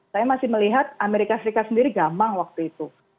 saya masih melihat amerika serikat sendiri gamang waktu itu